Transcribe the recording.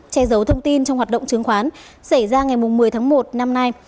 che giấu thông tin trong hoạt động chứng khoán xảy ra ngày một mươi tháng một năm nay